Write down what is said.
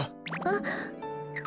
あっ。